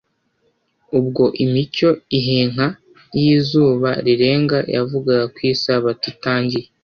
Ubwo imicyo ihenka y'izuba rirenga yavugaga ko isabato itangiye,